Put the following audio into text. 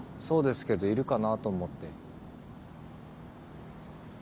そうですけどいるかなぁと思って。